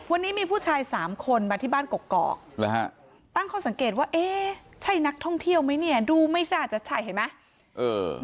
วันนี้มีผู้ชายสามคนมาที่บ้านกอกตั้งข้อสังเกตว่าเอ๊ะใช่นักท่องเที่ยวไหมเนี่ยดูไม่น่าจะใช่เห็นไหมเออ